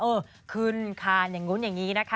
เออขึ้นคานอย่างนู้นอย่างนี้นะคะ